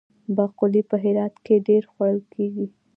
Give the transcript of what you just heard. باقلي په هرات کې ډیر خوړل کیږي.